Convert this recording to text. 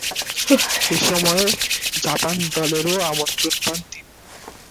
এসময়ে Japan দলেরও আমন্ত্রণ পান তিনি।